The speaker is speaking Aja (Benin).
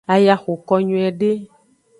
Aya xoko nyuiede.